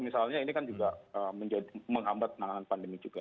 misalnya ini kan juga menghambat penanganan pandemi juga